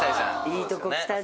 いいとこきたね。